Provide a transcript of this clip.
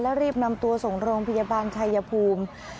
และรีบนำตัวส่งโรงพยาบาลชายภูมิ